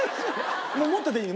もう持ってていいんですよ。